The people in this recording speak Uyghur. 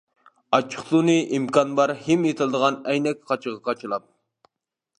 ئاچچىقسۇنى ئىمكان بار ھىم ئېتىلىدىغان ئەينەك قاچىغا قاچىلاپ.